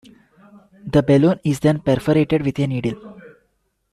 The balloon is then perforated with a needle.